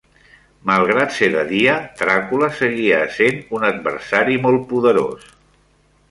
Malgrat ser de dia, Dràcula seguia essent un adversari molt poderós.